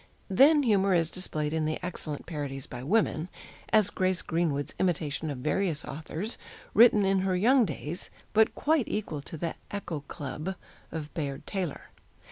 Then humor is displayed in the excellent parodies by women as Grace Greenwood's imitations of various authors, written in her young days, but quite equal to the "Echo Club" of Bayard Taylor.